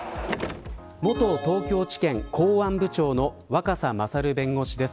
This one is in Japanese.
元東京地検公安部長の若狭勝弁護士です。